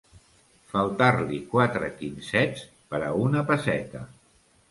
Faltar-li quatre quinzets per a una pesseta.